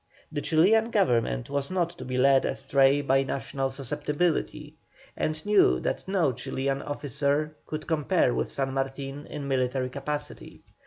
The Chilian Government was not to be led astray by national susceptibility, and knew that no Chilian officer could compare with San Martin in military capacity.